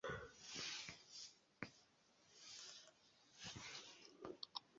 Ĝi troviĝas en Afganio, Barato, Irano, Kazaĥio, Kirgizio, Nepalo, Pakistano, Taĝikio, Turkmenio kaj Uzbekio.